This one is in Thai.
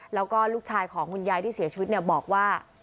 แล้วก็ลูกชายของคุณยายที่เสียชีวิตบอกว่า